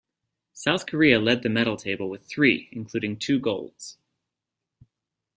South Korea led the medal table with three, including two golds.